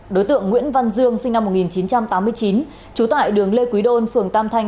đối tượng nguyễn văn dương sinh năm một nghìn chín trăm tám mươi chín trú tại đường lê quý đôn phường tam thanh